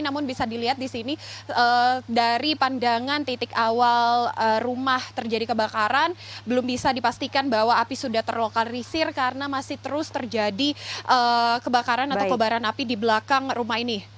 namun bisa dilihat di sini dari pandangan titik awal rumah terjadi kebakaran belum bisa dipastikan bahwa api sudah terlokalisir karena masih terus terjadi kebakaran atau kobaran api di belakang rumah ini